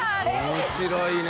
面白いね。